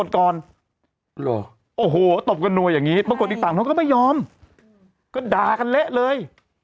คือใครไม่เข้าใจเลย